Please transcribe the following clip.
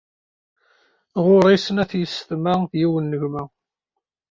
Ɣuṛ-i snat yessetma d yiwen n gma.